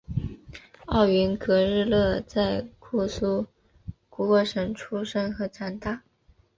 奥云格日勒在库苏古尔省出生和长大。